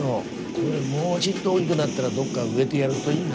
これもうちっと大きぐなったらどっか植えでやるといいな。